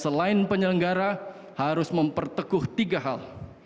selain penyelenggara harus memperteguh tiga hal